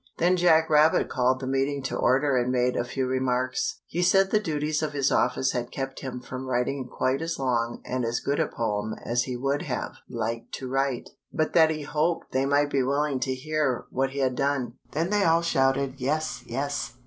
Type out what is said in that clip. Then Jack Rabbit called the meeting to order and made a few remarks. [Illustration: MR. RABBIT BOWED.] He said the duties of his office had kept him from writing quite as long and as good a poem as he would have liked to write, but that he hoped they might be willing to hear what he had done. Then they all shouted, "Yes, yes!"